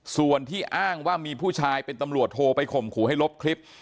ส่วนที่อ้างว่ามีผู้ชายเป็นตำรวจโทรไปข่มขู่ให้ลบคลิป